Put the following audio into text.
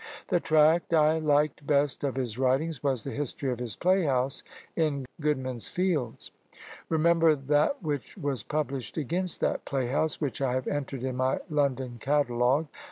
The tract I liked best of his writings was the history of his playhouse in Goodman's Fields. (Remember that which was published against that playhouse, which I have entered in my London Catalogue.